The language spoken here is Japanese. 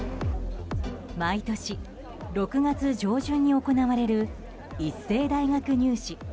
毎年６月上旬に行われる一斉大学入試